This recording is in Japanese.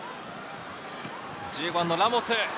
１５番のラモス。